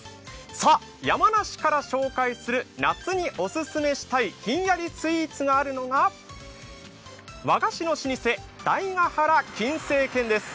さあ、山梨から紹介する夏にオススメしたいひんやりスイーツがあるのが、和菓子の老舗、台ヶ原金精軒です。